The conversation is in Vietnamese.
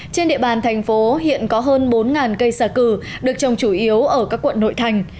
trên địa bàn thành phố hiện có hơn bốn cây xả cử được trồng chủ yếu ở các quận nội thành